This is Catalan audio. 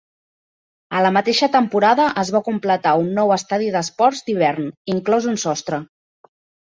A la mateixa temporada es va completar un nou estadi d'esports d'hivern, inclòs un sostre.